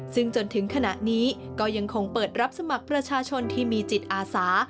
ซึ่งจนถึงขณะนี้ก็ยังคงเปิดรับสมัครประชาชนที่มีจิตอาสา